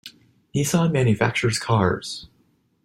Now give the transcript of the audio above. Nissan manufactures cars.